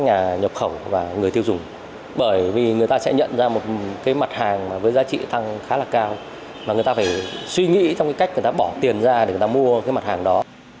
giá điều cao khiến người tiêu dùng mỹ và eu cân nhắc giữ hạt điều và các sản phẩm cùng loại như hạnh nhân ốc chó